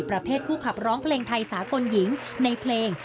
ประเภทผู้ขับร้องเพลงไทยสากลหญิงในเพลง